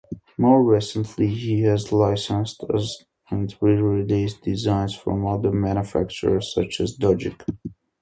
More recently he has licensed and re-released designs from other manufacturers, such as Dogic.